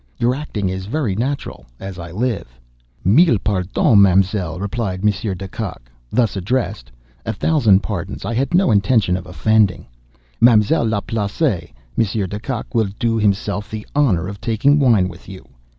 Your acting is very natural, as I live." "Mille pardons! Ma'm'selle!" replied Monsieur De Kock, thus addressed—"a thousand pardons! I had no intention of offending. Ma'm'selle Laplace—Monsieur De Kock will do himself the honor of taking wine with you."